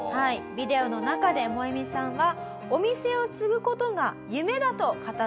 ビデオの中でモエミさんはお店を継ぐ事が夢だと語っていたんです。